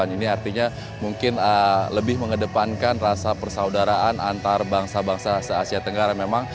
ini artinya mungkin lebih mengedepankan rasa persaudaraan antar bangsa bangsa asia tenggara